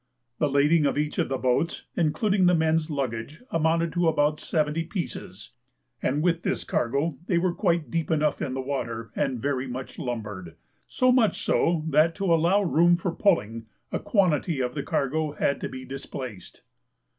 The lading of each of the boats, including the men's luggage, amounted to about seventy pieces; and with this cargo they were quite deep enough in the water and very much lumbered so much so that, to allow room for pulling, a quantity of the cargo had to be displaced.